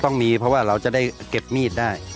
ต้องมีเพราะว่าเราจะได้เก็บมีดได้